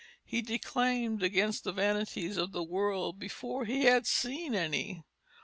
He declaimed against the vanities of the world before he had seen any.